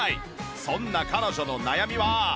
そんな彼女の悩みは